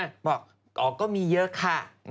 เกี่ยวเหรออ๋อก็มีเยอะค่ะ